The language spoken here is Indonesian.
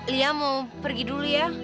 lia mau pergi dulu ya